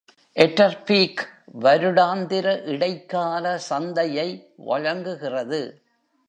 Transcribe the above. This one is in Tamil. எட்டர்பீக் வருடாந்திர இடைக்கால சந்தையை வழங்குகிறது.